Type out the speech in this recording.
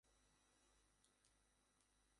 এতে অনেক নামী দামী মেটাল শিল্পীরা গান পরিবেশন করেন।